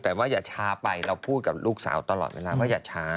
แต่ว่าอย่าช้าไปเราพูดกับลูกสาวตลอดเวลาว่าอย่าช้า